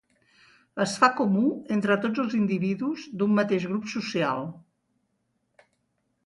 Es fa comú entre tots els individus d'un mateix grup social.